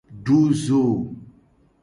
Du zo.